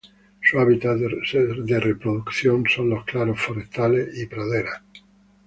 Su hábitat de reproducción son los claros forestales y praderas.